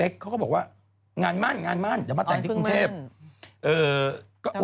ข่าวของเอ่อน้องเป๊กน้องนิว